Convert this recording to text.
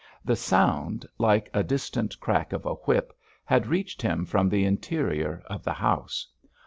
The sound, like a distant crack of a whip, had reached him from the interior of the house.